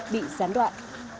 bị gián đoạn